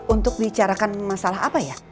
untuk bicarakan masalah apa ya